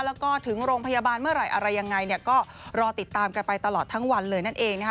แล้วก็ถึงโรงพยาบาลเมื่อไหร่อะไรยังไงเนี่ยก็รอติดตามกันไปตลอดทั้งวันเลยนั่นเองนะคะ